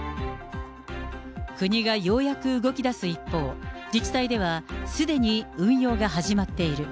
国がようやく動きだす一方、自治体ではすでに運用が始まっている。